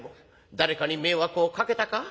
誰かに迷惑をかけたか？